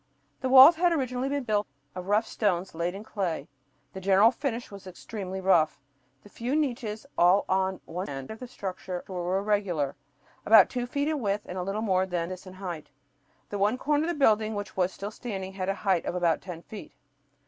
The walls had originally been built of rough stones laid in clay. The general finish was extremely rough. The few niches, all at one end of the structure, were irregular, about two feet in width and a little more than this in height. The one corner of the building which was still standing had a height of about ten feet.